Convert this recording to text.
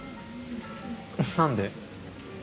何で？